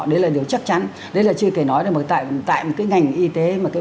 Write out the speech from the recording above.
đấy là điều chắc chắn đấy là chưa thể nói được tại một cái ngành y tế